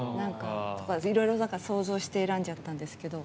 いろいろ想像して選んじゃったんですけど。